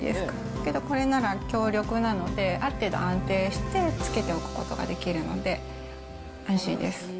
けど、これなら強力なので、ある程度安定してつけておくことができるので安心です。